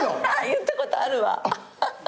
言ったことあるわ。